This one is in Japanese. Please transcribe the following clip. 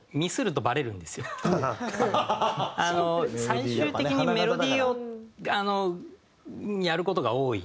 最終的にメロディーをやる事が多い。